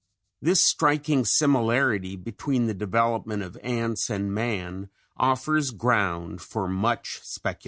This striking similarity between the development of ants and man offers ground for much speculation.